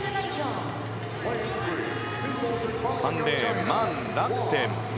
３レーンマン・ラクテン。